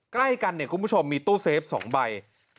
ใกล้กันเนี่ยคุณผู้ชมมีตู้เซฟ๒ใบ